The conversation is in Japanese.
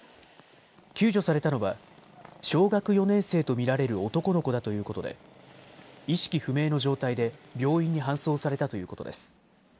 救助されたのは小学４年生と見られる男の子だということで意識不明の状態で病院に搬送されたということです。